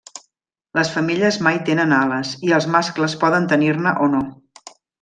Les femelles mai tenen ales, i els mascles poden tenir-ne o no.